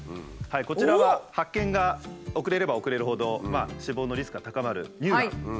こちらは発見が遅れれば遅れるほど死亡のリスクが高まる乳がん。